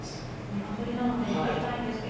馬取りなので逃げたいんですけど。